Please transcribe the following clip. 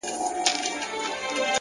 خاموش ذهن روښانه مسیر جوړوي،